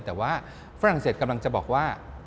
แต่ว่าฝรั่งเศสกำลังจะบอกว่า